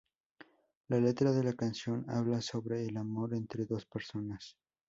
La letra de la canción habla sobre el amor entre dos personas.